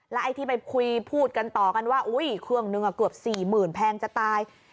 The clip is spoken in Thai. และไอ้ที่ไปคุยพูดกันต่อกันว่าอีขึ้งนึงกว่า๔๐๐๐๐แพงจะตาย